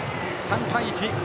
３対１。